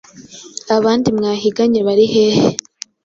abandi mwahiganye bari hehe?”